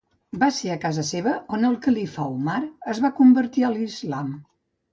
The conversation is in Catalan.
Va ser a casa seva on el califa Umar es va convertir a l'Islam.